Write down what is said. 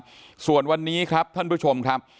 แล้วประนะเพราะวันนี้ค่ะท่านผู้ชม